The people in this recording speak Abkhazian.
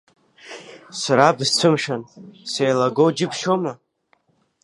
Сара бысцәымшәан, сеилагоу џьыбшьома?